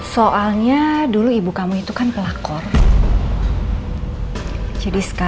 saya harap dia akan berislop harif ini